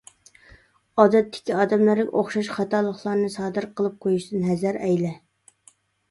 ئادەتتىكى ئادەملەرگە ئوخشاش خاتالىقلارنى سادىر قىلىپ قويۇشتىن ھەزەر ئەيلە.